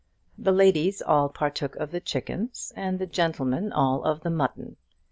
The ladies all partook of the chickens, and the gentlemen all of the mutton.